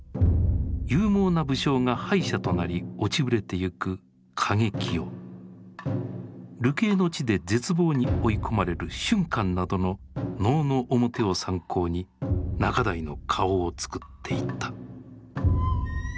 勇猛な武将が敗者となり落ちぶれてゆく「景清」流刑の地で絶望に追い込まれる「俊寛」などの能の面を参考に仲代の顔を作っていった。